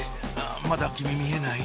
まだ君見えない？